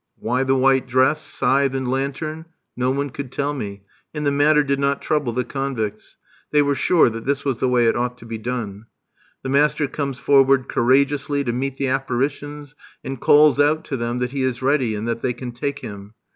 Why the white dress, scythe, and lantern? No one could tell me, and the matter did not trouble the convicts. They were sure that this was the way it ought to be done. The master comes forward courageously to meet the apparitions, and calls out to them that he is ready, and that they can take him.